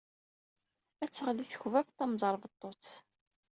Ad teɣli tekbabt tamẓerbeḍḍut!